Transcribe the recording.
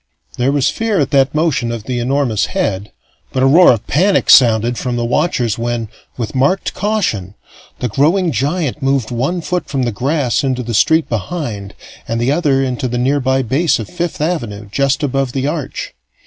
There was fear at that motion of the enormous head, but a roar of panic sounded from the watchers when, with marked caution, the growing giant moved one foot from the grass into the street behind and the other into the nearby base of Fifth Avenue, just above the Arch.